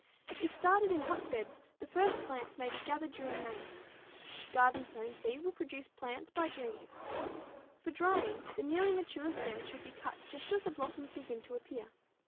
If started in hotbeds, the first plants may be gathered during May. Garden sown seed will produce plants by June. For drying, the nearly mature stems should be cut just as the blossoms begin to appear.